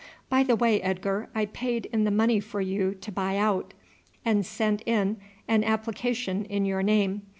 By the way, Edgar, I paid in the money for you to buy out, and sent in an application in your name.